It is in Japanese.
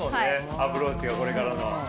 アプローチがこれからの。